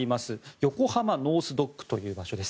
横浜ノース・ドックという場所です。